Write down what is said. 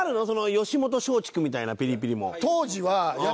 吉本松竹みたいなピリピリも。